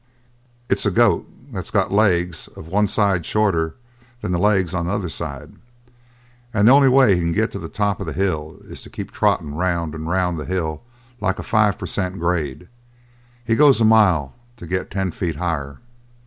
"It's a goat that's got the legs of one side shorter than the legs on the other side, and the only way he can get to the top of a hill is to keep trottin' around and around the hill like a five per cent. grade. He goes a mile to get ten feet higher."